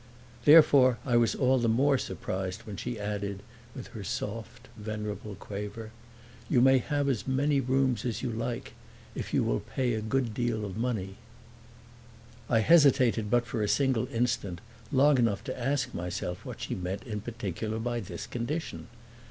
Therefore I was all the more surprised when she added, with her soft, venerable quaver, "You may have as many rooms as you like if you will pay a good deal of money." I hesitated but for a single instant, long enough to ask myself what she meant in particular by this condition.